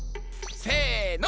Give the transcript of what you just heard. せの！